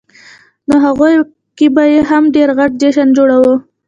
نوهغې کې به یې هم ډېر غټ جشن جوړاوه.